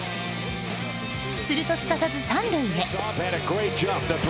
すると、すかさず３塁へ。